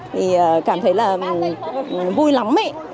thì cảm thấy là vui lắm ấy